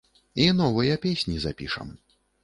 І новыя песні запішам.